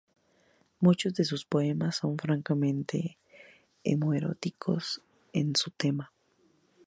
Muchos de sus poemas son francamente homoeróticos en su tema.